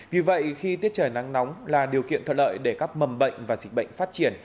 vì vậy khi tiết trời nắng nóng là điều kiện thuận lợi để các mầm bệnh và dịch bệnh phát triển